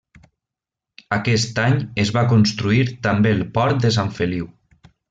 Aquest any es va construir també el port de Sant Feliu.